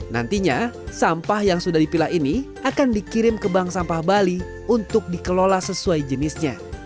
nantinya sampah yang sudah dipilah ini akan dikirim ke bank sampah bali untuk dikelola sesuai jenisnya